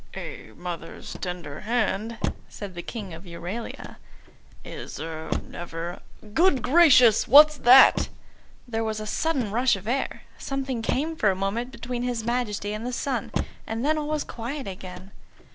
"A mother's tender hand," said the King of Euralia, "is er never good gracious! What's that?" There was a sudden rush of air; something came for a moment between his Majesty and the sun; and then all was quiet again.